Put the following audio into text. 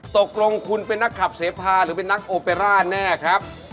ตกลงคุณเป็นนักขับเสพาหรือเป็นนักโอเปร่าแน่ครับ